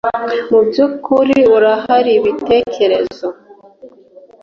Mubyukuri urahariibitekerezo